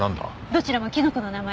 どちらもきのこの名前。